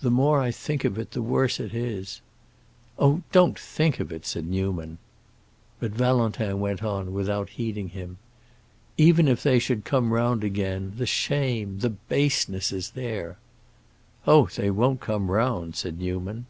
"The more I think of it the worse it is." "Oh, don't think of it," said Newman. But Valentin went on, without heeding him. "Even if they should come round again, the shame—the baseness—is there." "Oh, they won't come round!" said Newman.